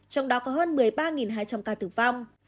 trong đó có hơn một mươi ba hai trăm linh ca tử vong